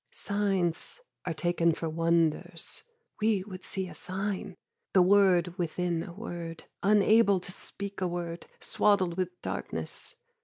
Signs are taken for wonders. "We would see a sign": The word within a word, unable to speak a word, Swaddled with darkness.